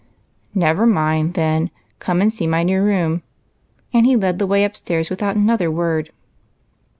" Never mind, then ; come and see my new room ;" and he led the way upstairs without another word.